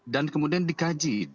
dan kemudian dikonsumsi ke kmdikbud